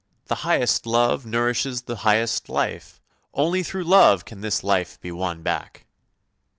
The highest love nourishes the highest life! Only through love can this life be won back!